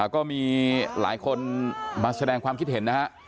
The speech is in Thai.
ก็มีหลายคนมาแสดงความคิดเห็นนะฮะ